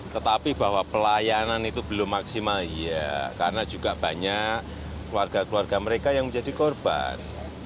tetapi bahwa pelayanan itu belum maksimal iya karena juga banyak keluarga keluarga mereka yang menjadi korban